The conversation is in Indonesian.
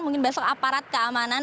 mungkin besok aparat keamanan